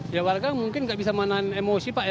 ya warga mungkin tidak bisa menahan emosi pak